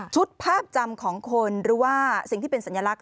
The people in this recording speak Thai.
ภาพจำของคนหรือว่าสิ่งที่เป็นสัญลักษณ